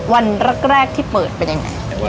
วันแรกที่เปิดเป็นยังไง